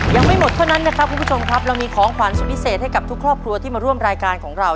ยังไม่หมดเท่านั้นนะครับคุณผู้ชมครับเรามีของขวัญสุดพิเศษให้กับทุกครอบครัวที่มาร่วมรายการของเรา